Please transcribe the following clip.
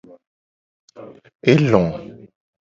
E lo.